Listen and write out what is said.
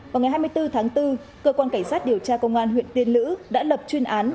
vào ngày hai mươi bốn tháng bốn cơ quan cảnh sát điều tra công an huyện tiên lữ đã lập chuyên án